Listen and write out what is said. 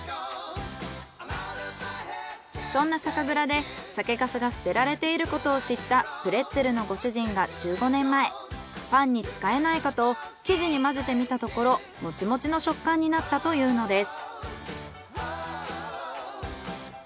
そんな酒蔵で酒粕が捨てられていることを知ったプレッツェルのご主人が１５年前パンに使えないかと生地に混ぜてみたところモチモチの食感になったというのです。